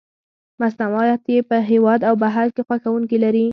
مصنوعات یې په هېواد او بهر کې خوښوونکي لري.